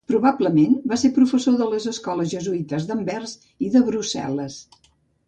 Probablement va ser professor de les escoles jesuïtes d'Anvers i de Brussel·les.